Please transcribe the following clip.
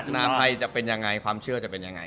นาภัยจะเป็นยังไงความเชื่อจะเป็นยังไง